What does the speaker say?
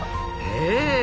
へえ！